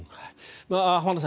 浜田さん